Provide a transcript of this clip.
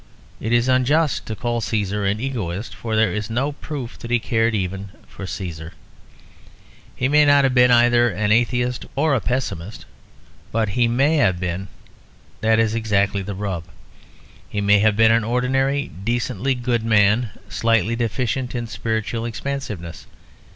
It is unjust to call Cæsar an egoist; for there is no proof that he cared even for Cæsar. He may not have been either an atheist or a pessimist. But he may have been; that is exactly the rub. He may have been an ordinary decently good man slightly deficient in spiritual expansiveness.